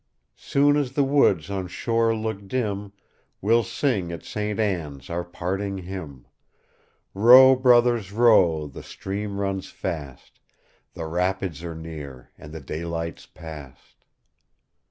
Soon as the woods on shore look dim, We'll sing at St. Ann's our parting hymn; Row, brothers, row, the stream runs fast, The rapids are near, and the daylight's past."